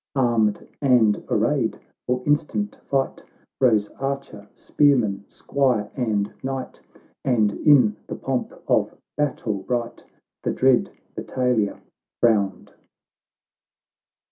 Armed and arrayed for instant fight, Rose archer, spearman, squire, and knight, And in the pomp of battle bright The dread battalia frowned.